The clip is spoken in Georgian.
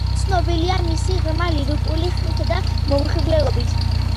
ცნობილია მისი ღრმა ლირიკული ხმითა და მომხიბვლელობით.